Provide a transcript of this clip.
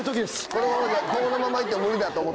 このままいっても無理だと思って？